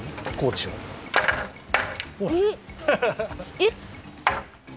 えっ！？